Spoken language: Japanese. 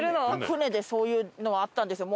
船でそういうのあったんですよ。